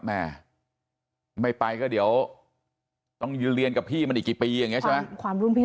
แม่ไม่ไปก็เดี๋ยวต้องเรียนกับพี่มันอีกกี่ปีความรุ่นพี่